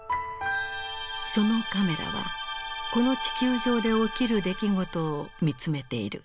そのカメラはこの地球上で起きる出来事を見つめている。